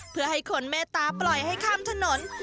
เพื่อให้คนเมตตาปล่อยให้ข้ามถนน